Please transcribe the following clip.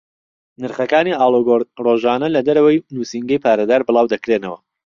نرخەکانی ئاڵوگۆڕ ڕۆژانە لە دەرەوەی نووسینگەی پارەدار بڵاو دەکرێنەوە.